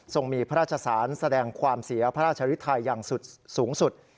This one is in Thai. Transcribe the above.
มีพระราชสารแสดงความเสียพระราชฤทัยอย่างสูงสุด